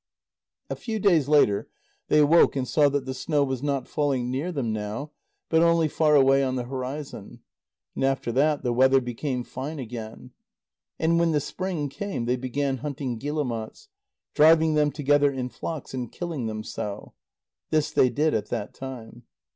A few days later, they awoke and saw that the snow was not falling near them now, but only far away on the horizon. And after that the weather became fine again. And when the spring came, they began hunting guillemots; driving them together in flocks and killing them so. This they did at that time.